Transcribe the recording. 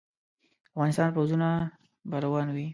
د افغانستان پوځونه به روان وي.